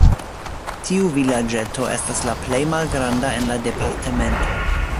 Tiu vilaĝeto estas la plej malgranda en la departemento.